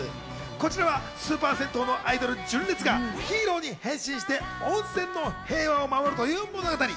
こちらはスーパー銭湯のアイドル・純烈がヒーローに変身し、温泉の平和を守るという物語。